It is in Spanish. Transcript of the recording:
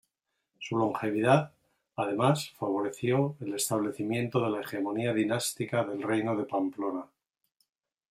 Su longevidad, además, favoreció el establecimiento de la hegemonía dinástica del reino de Pamplona.